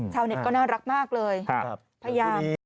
ชาวเน็ตก็น่ารักมากเลยพยายาม